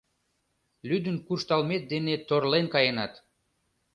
Лӱдын куржталмет дене торлен каенат.